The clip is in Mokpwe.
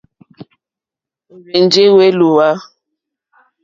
Ò rzênjé wélùwà.